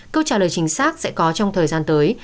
câu trả lời chính xác sẽ có trong thời gian tới